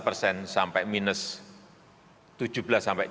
ekonomi negara maju bahkan minus belasan persen